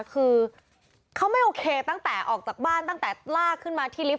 คือเขาไม่โอเคตั้งแต่ออกจากบ้านตั้งแต่ลากขึ้นมาที่ลิฟต